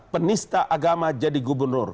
penista agama jadi gubernur